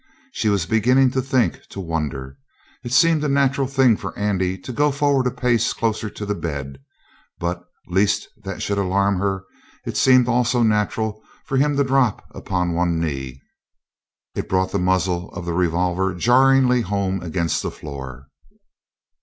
She was beginning to think, to wonder. It seemed a natural thing for Andy to go forward a pace closer to the bed, but, lest that should alarm her, it seemed also natural for him to drop upon one knee. It brought the muzzle of the revolver jarringly home against the floor.